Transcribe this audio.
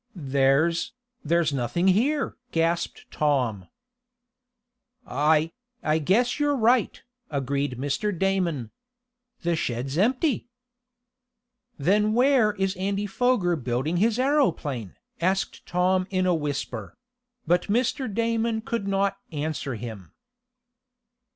"There's there's nothing here!" gasped Tom. "I I guess you're right!" agreed Mr. Damon "The shed is empty!" "Then where is Andy Foger building his aeroplane?" asked Tom in a whisper; but Mr. Damon could not answer him.